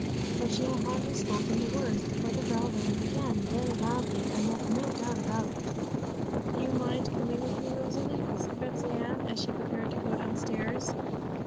But she had hardly spoken the words before the bell rang again very loudly, and left no doubt about it. 'Do you mind coming with me, Rosalie?' said Betsey Ann, as she prepared to go downstairs.